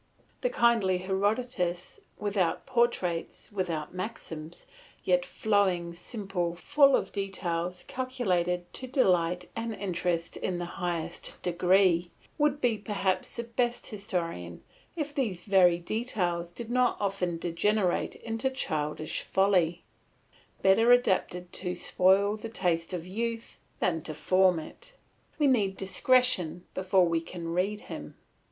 The kindly Herodotus, without portraits, without maxims, yet flowing, simple, full of details calculated to delight and interest in the highest degree, would be perhaps the best historian if these very details did not often degenerate into childish folly, better adapted to spoil the taste of youth than to form it; we need discretion before we can read him.